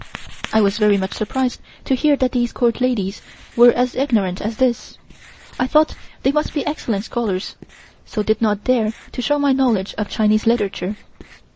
I was very much surprised to hear that these Court ladies were as ignorant as this. I thought they must be excellent scholars, so did not dare to show my knowledge of Chinese literature.